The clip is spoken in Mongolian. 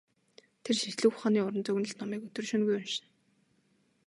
Тэр шинжлэх ухааны уран зөгнөлт номыг өдөр шөнөгүй уншина.